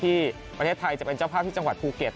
ที่ประเทศไทยจะเป็นเจ้าภาพที่จังหวัดภูเก็ต